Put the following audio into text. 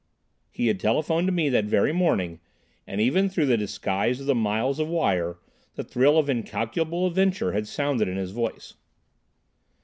He had telephoned to me that very morning, and even through the disguise of the miles of wire the thrill of incalculable adventure had sounded in his voice.